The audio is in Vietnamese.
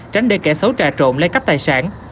tránh để kẻ xấu trà trộn lấy cắp tài sản